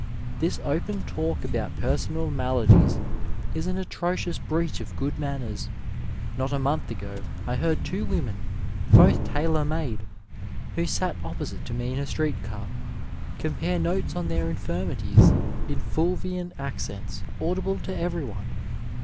This open talk about pergonal maladies is an atrocious breach of good manners. Not a month ago, I heard two women, both tailor made, who sat opposite to me in a street car, compare notes on their infirmities in Fulvian accents audible to everyone.